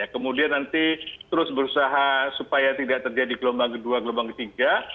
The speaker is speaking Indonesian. kemudian nanti terus berusaha supaya tidak terjadi gelombang kedua gelombang ketiga